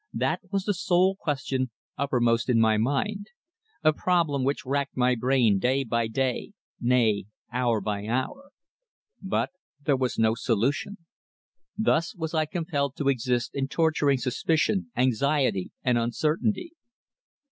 That was the sole question uppermost in my mind; a problem which racked my brain day by day, nay, hour by hour. But there was no solution. Thus was I compelled to exist in torturing suspicion, anxiety and uncertainty.